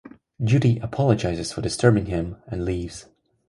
Judy apologizes for disturbing him and leaves.